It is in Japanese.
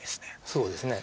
そうですね